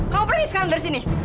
kamu berani sekarang dari sini